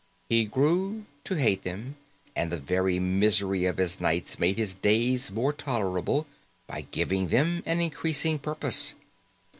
He grew to hate them, and the very misery of his nights made his days more tolerable by giving them an increasing purpose.